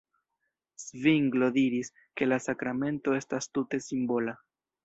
Zvinglo diris, ke la sakramento estas tute simbola.